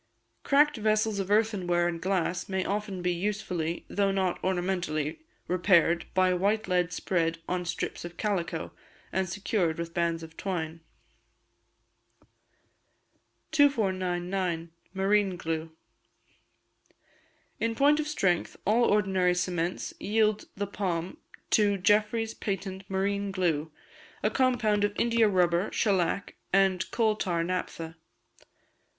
Cracked vessels of earthenware and glass may often be usefully, though not ornamentally, repaired by white lead spread on strips of calico, and secured with bands of twine. 2499. Marine Glue. In point of strength, all ordinary cements yield the palm to Jeffery's Patent Marine Glue, a compound of India rubber, shellac, and coal tar naphtha.